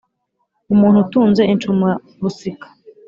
umuntu utunze incumarusika